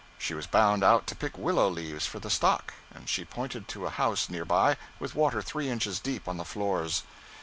She was bound out to pick willow leaves for the stock, and she pointed to a house near by with water three inches deep on the floors.